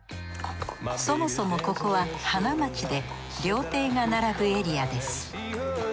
そもそもここは花街で料亭が並ぶエリアです。